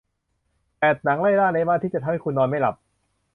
แปด หนังไล่ล่าในบ้านที่จะทำให้คุณนอนไม่หลับ